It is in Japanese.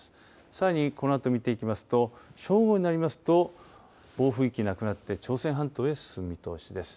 さらに、このあと見ていきますと正午になりますと暴風域なくなって朝鮮半島へ進む見通しです。